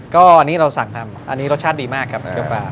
ก็อันนี้เราสั่งทำอันนี้รสชาติดีมากครับเครื่องปลา